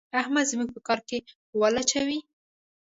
احمد زموږ په کار کې ول اچوي.